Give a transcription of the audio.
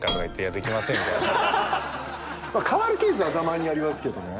変わるケースはたまにありますけどね。